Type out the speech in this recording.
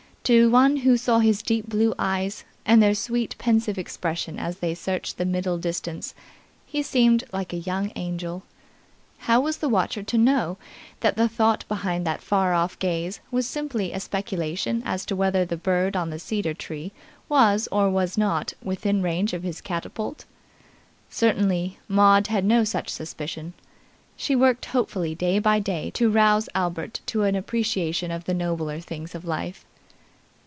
To one who saw his deep blue eyes and their sweet, pensive expression as they searched the middle distance he seemed like a young angel. How was the watcher to know that the thought behind that far off gaze was simply a speculation as to whether the bird on the cedar tree was or was not within range of his catapult? Certainly Maud had no such suspicion. She worked hopefully day by day to rouse Albert to an appreciation of the nobler things of life.